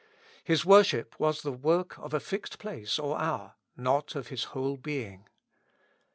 His worship was the work of a fixed place or hour, not of his whole being.